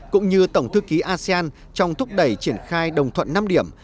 cũng như tổng thư ký asean trong thúc đẩy triển khai đồng thuận năm điểm